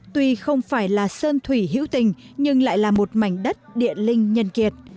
tuy không phải là sơn thủy hữu tình nhưng lại là một mảnh đất địa linh nhân kiệt